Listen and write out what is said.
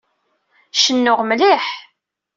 Cennuɣ mliḥ.